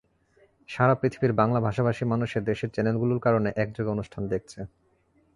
সারা পৃথিবীর বাংলা ভাষাভাষী মানুষ দেশের চ্যানেলগুলোর কারণে একযোগে অনুষ্ঠান দেখছে।